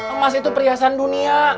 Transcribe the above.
emas itu perhiasan dunia